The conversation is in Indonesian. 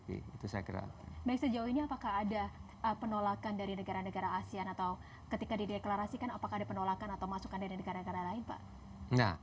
baik sejauh ini apakah ada penolakan dari negara negara asean atau ketika dideklarasikan apakah ada penolakan atau masukan dari negara negara lain pak